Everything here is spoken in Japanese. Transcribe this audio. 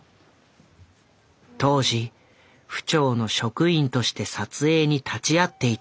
当時府庁の職員として撮影に立ち会っていた人物がいる。